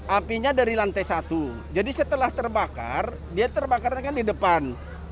apinya dari lantai satu jadi setelah terbakar dia terbakarnya kan di depan